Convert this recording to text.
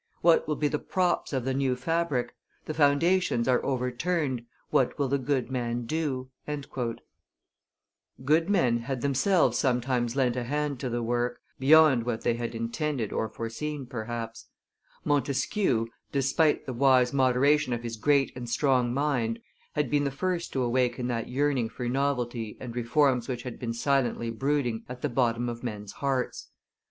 What will be the props of the new fabric? The foundations are overturned; what will the good man do?" [Illustration: Montesquieu 269] Good men had themselves sometimes lent a hand to the work, beyond what they had intended or foreseen, perhaps; Montesquieu, despite the wise moderation of his great and strong mind, had been the first to awaken that yearning for novelty and reforms which had been silently brooding at the bottom of men's hearts.